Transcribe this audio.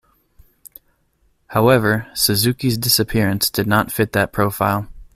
However, Suzuki's disappearance did not fit that profile.